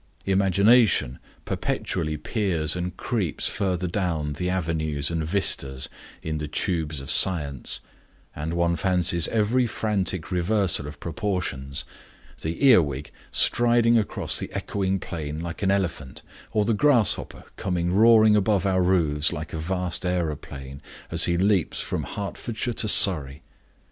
Imagination perpetually peers and creeps further down the avenues and vistas in the tubes of science, and one fancies every frantic reversal of proportions; the earwig striding across the echoing plain like an elephant, or the grasshopper coming roaring above our roofs like a vast aeroplane, as he leaps from Hertfordshire to Surrey.